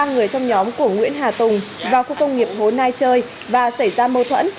ba người trong nhóm của nguyễn hà tùng vào khu công nghiệp hồ nai chơi và xảy ra mâu thuẫn